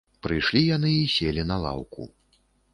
Прыйшлі яны і селі на лаўку.